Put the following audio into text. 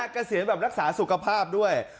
เกษียณแบบรักษาสุขภาพด้วย